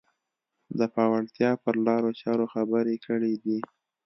د پیاوړتیا پر لارو چارو خبرې کړې دي